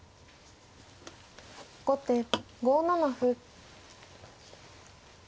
後手５七歩。